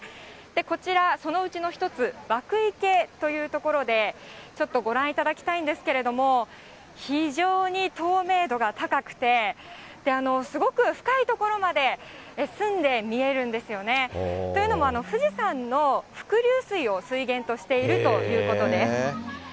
こちら、そのうちの一つ、わく池という所でちょっとご覧いただきたいんですけれども、非常に透明度が高くて、すごく深い所まで澄んで見えるんですよね。というのも富士山の伏流水を水源としているということです。